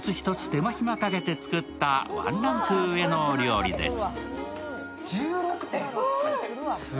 手間ひまかけて作ったワンランク上のお料理です。